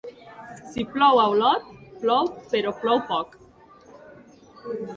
Si plou a Olot, plou però plou poc.